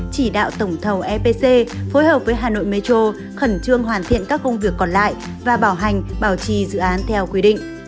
chỉ đạo tổng thầu epc phối hợp với hà nội metro khẩn trương hoàn thiện các công việc còn lại và bảo hành bảo trì dự án theo quy định